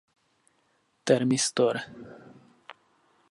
Termistor